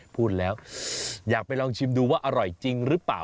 พูดแล้วอยากไปลองชิมดูว่าอร่อยจริงหรือเปล่า